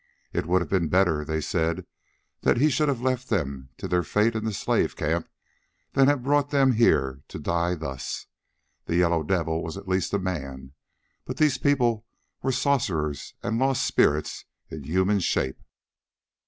It would have been better, they said, that he should have left them to their fate in the slave camp than have brought them here to die thus; the Yellow Devil was at least a man, but these people were sorcerers and lost spirits in human shape.